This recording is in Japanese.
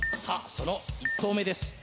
その１投目です